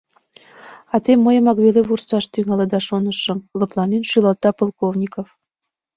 — А те мыйымак веле вурсаш тӱҥалыда, шонышым, — лыпланен шӱлалта Полковников.